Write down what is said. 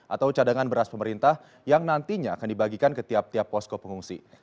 atau cadangan beras pemerintah yang nantinya akan dibagikan ke tiap tiap posko pengungsi